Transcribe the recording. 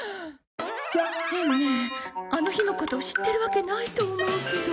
変ねあの日のこと知ってるわけないと思うけど